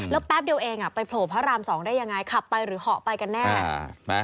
แล้วแป๊บเดียวเองไปโผล่พระราม๒ได้ยังไงขับไปหรือเหาะไปกันแน่